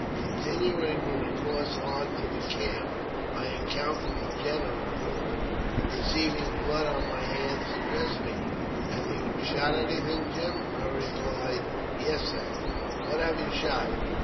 Continuing my course on to the camp, I encountered the general, who, perceiving blood on my hands, addressed me, " Have you shot anything, Jim ?" I replied, " Yes, sir." " What have you shot